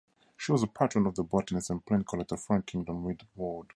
She was a patron of the botanist and plant collector Frank Kingdon-Ward.